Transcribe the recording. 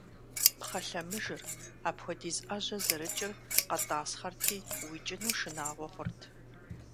Пхъэ лъэмыжыр, апхуэдиз Ӏэжьэ зэрыкӀыр, къэтӀасхъэрти, уикӀыну шынагъуэ хъурт.